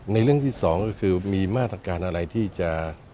เรื่องที่สองก็คือมีมาตรการอะไรที่จะ